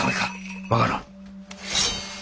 分からん。